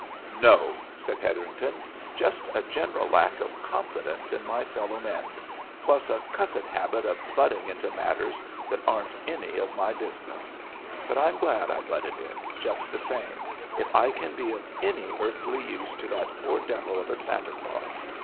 "No," said Hetherington. "Just a general lack of confidence in my fellow men, plus a cussed habit of butting into matters that aren't any of my business; but I'm glad I butted in, just the same, if I can be of any earthly use to that poor devil of a Santa Claus.